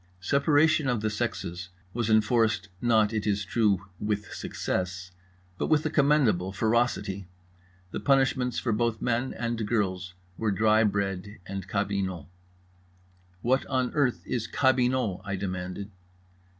Separation of the sexes was enforced, not, it is true, with success, but with a commendable ferocity. The punishments for both men and girls were dry bread and cabinot. "What on earth is cabinot?" I demanded.